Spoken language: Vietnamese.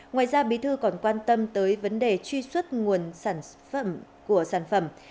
ngoài ra bí thư còn quan tâm tới vấn đề truy xuất nguồn sản phẩm của sản phẩm